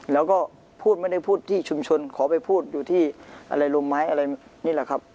แล้วก็พูดไม่ได้พูดที่ชุมชนขอไปพูดอยู่ที่อะไรรู้ไหมอะไรนี่แหละครับ